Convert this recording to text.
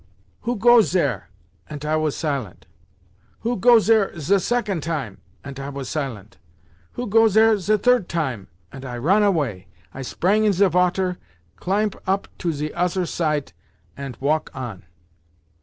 'Who goes zere?' ant I was silent. 'Who goes zere ze second time?' ant I was silent. 'Who goes zere ze third time?' ant I ron away, I sprang in ze vater, climp op to ze oser site, ant walk on.